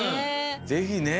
ぜひね。